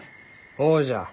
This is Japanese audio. ほうじゃ。